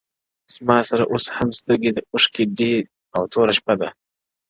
زما سره اوس هم سترگي “اوښکي دي او توره شپه ده”